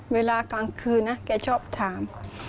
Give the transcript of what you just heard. เวลากลางคืนนะแกชอบถาม